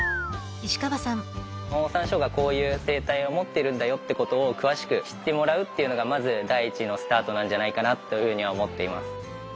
オオサンショウウオがこういう生態を持ってるんだよってことを詳しく知ってもらうっていうのがまず第一のスタートなんじゃないかなというふうには思っています。